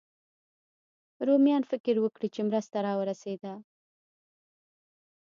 رومیان فکر وکړي مرسته راورسېده.